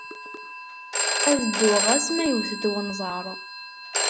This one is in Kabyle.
Ad dduɣ ɣas ma iwet-d wenẓar.